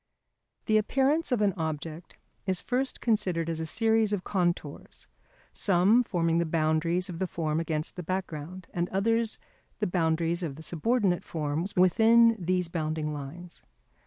The appearance of an object is first considered as a series of contours, some forming the boundaries of the form against the background, and others the boundaries of the subordinate forms within these bounding lines.